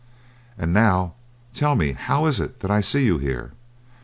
And now tell me how it is that I see you here.